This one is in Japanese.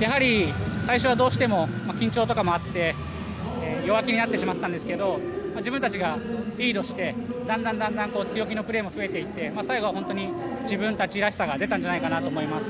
やはり最初はどうしても緊張とかもあって弱気になってしまっていたんですけど自分たちがリードしてだんだん強気のプレーも増えていって最後は本当に自分たちらしさが出たんじゃないかと思います。